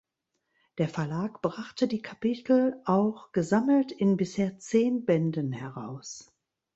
Der Verlag brachte die Kapitel auch gesammelt in bisher zehn Bänden heraus.